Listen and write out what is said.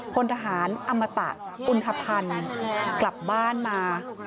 พลทหารอมตะอุณฑพันธ์กลับบ้านมา